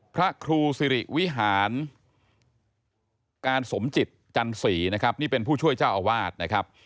พระครูสิริวิหารการสมจิตจันสีนะครับนี่เป็นผู้ช่วยเจ้าอาวาสนะครับ